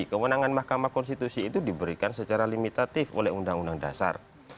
kewenangan mahkamah konstitusi itu diberikan secara limitatif oleh undang undang dasar